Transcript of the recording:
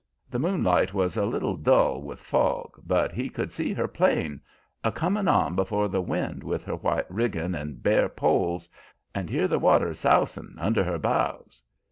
The moonlight was a little dull with fog, but he could see her, plain, a comin' on before the wind with her white riggin' and bare poles, and hear the water sousin' under her bows.